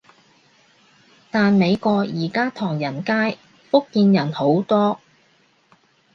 但美國而家唐人街，福建人好多